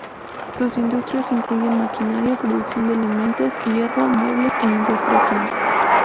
Sus industrias incluyen maquinaria, producción de alimentos, hierro, muebles e industria química.